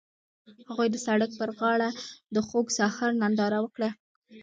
هغوی د سړک پر غاړه د خوښ سهار ننداره وکړه.